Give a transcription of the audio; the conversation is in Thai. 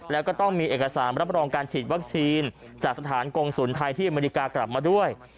แล้วก็ต้องมีเอกสารรับรองการฉีดวัคซีนจากสถานกงศูนย์ไทยที่อเมริกากลับมาด้วย